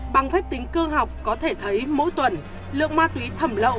bằng phép tính cơ học có thể thấy mỗi tuần lượng ma túy thẩm lậu